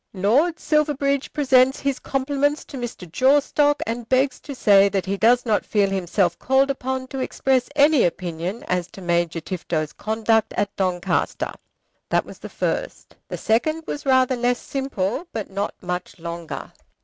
"Lord Silverbridge presents his compliments to Mr. Jawstock, and begs to say that he does not feel himself called upon to express any opinion as to Major Tifto's conduct at Doncaster." That was the first. The second was rather less simple, but not much longer.